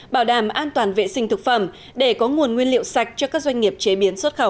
bảo đảm an toàn vệ sinh thực phẩm để có nguồn nguyên liệu sạch cho các doanh nghiệp chế biến xuất khẩu